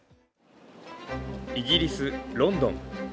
イギリス・ロンドン。